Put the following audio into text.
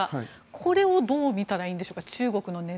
これをどう見たらいいんでしょうか。